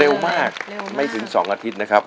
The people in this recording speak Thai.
เร็วมากไม่ถึง๒อาทิตย์นะครับ